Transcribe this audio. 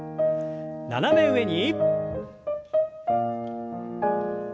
斜め上に。